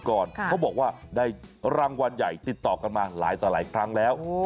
เขาบอกว่าได้รางวัลใหญ่ติดต่อกันมาหลายต่อหลายครั้งแล้ว